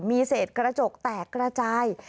มีเศษกระจกแตกกระจาย